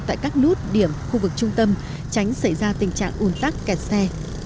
tại các nút điểm khu vực trung tâm tránh xảy ra tình trạng ủn tắc kẹt xe